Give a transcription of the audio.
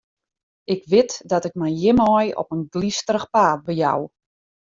Ik wit dat ik my hjirmei op in glysterich paad bejou.